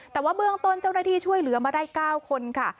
แต่ว่าเบื้องต้นเจ้าหน้าที่ช่วยเหลือมาได้๙คนค่ะ